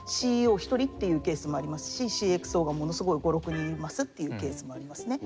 一人っていうケースもありますしＣｘＯがものすごい５６人いますっていうケースもありますね。